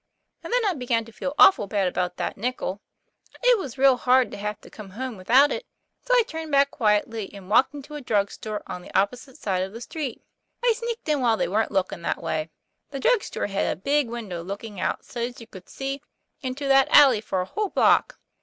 And then I began to feel awful bad about that nickel. It was real hard to have to come home without it, so I turned back quietly, and walked into a drug store on the opposite side of the street. I sneaked in while they weren't looking that way. The drug store had a big window looking out so's you could see into that alley for a whole block.